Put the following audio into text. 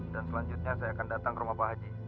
dan selanjutnya saya akan datang ke rumah pak haji